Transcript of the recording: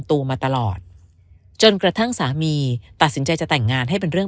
ตัวมาตลอดจนกระทั่งสามีตัดสินใจจะแต่งงานให้เป็นเรื่อง